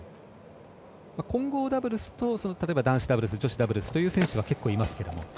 混合ダブルスと男子ダブルス女子ダブルスという選手は結構いますが。